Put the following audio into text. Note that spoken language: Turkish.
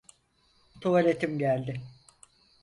Tuvaletim geldi.